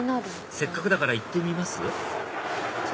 せっかくだから行ってみます？